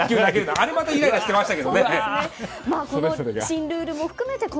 あれもまたイライラしてました。